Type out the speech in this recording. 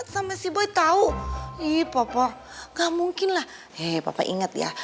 sampai jumpa di video selanjutnya